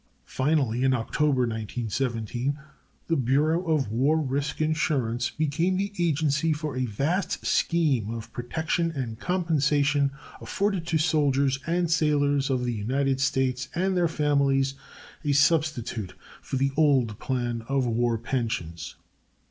Finally, in October, 1917, the Bureau of War Risk Insurance became the agency for a vast scheme of protection and compensation afforded to the soldiers and sailors of the United States and their families a substitute for the old plan of war pensions.